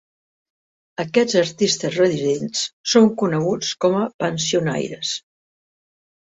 Aquests artistes residents són coneguts com a "pensionnaires".